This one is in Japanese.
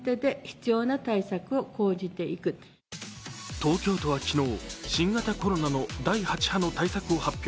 東京都は昨日、新型コロナの第８波の対策を発表。